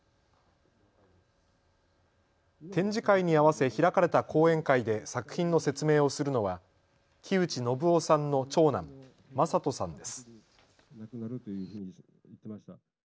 展示会に合わせ開かれた講演会で作品の説明をするのは木内信夫さんの長男正人さんです。